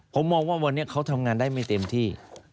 ผมมองว่าวันนี้เขาทำงานได้ไม่เต็มที่